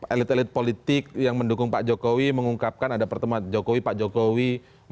elit elit politik yang mendukung pak jokowi mengungkapkan ada pertemuan jokowi pak jokowi